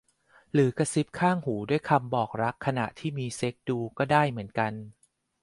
หรือกระซิบข้างหูด้วยคำบอกรักขณะที่มีเซ็กส์ดูก็ได้เหมือนกัน